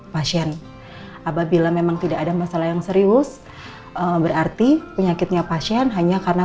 pasien apabila memang tidak ada masalah yang serius berarti penyakitnya pasien hanya karena